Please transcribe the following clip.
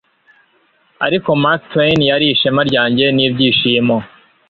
ariko mark twain yari ishema ryanjye n'ibyishimo